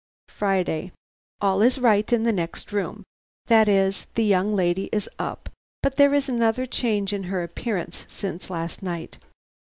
"Friday. "All is right in the next room; that is, the young lady is up; but there is another change in her appearance since last night.